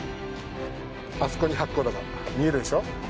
あそこに八甲田が見えるでしょ。